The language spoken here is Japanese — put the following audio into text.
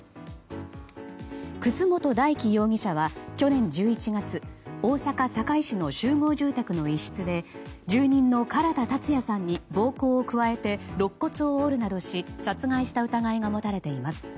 楠本大樹容疑者は去年１１月大阪・堺市の集合住宅の一室で住人の唐田健也さんに暴行を加えて肋骨を折るなどし殺害した疑いが持たれています。